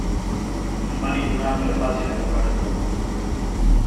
Con le mani di un altro è facile toccare il fuoco.